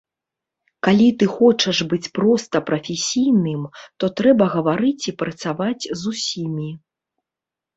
Калі ты хочаш быць проста прафесійным, то трэба гаварыць і працаваць з усімі.